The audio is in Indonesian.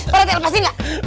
para etek lepasin enggak